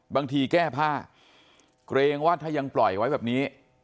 แก้ผ้าเกรงว่าถ้ายังปล่อยไว้แบบนี้